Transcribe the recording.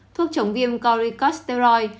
thuốc chống viêm coricosteroid